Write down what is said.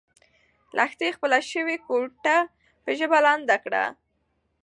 لښتې خپله سوې ګوته په ژبه لنده کړه.